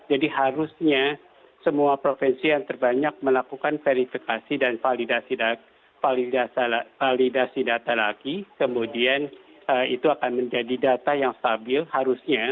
jadi harusnya semua provinsi yang terbanyak melakukan verifikasi dan validasi data lagi kemudian itu akan menjadi data yang stabil harusnya